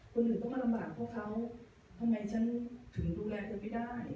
คนอื่นเขาก็ลำบากพวกเขาทำไมฉันถึงดูแลเธอไม่ได้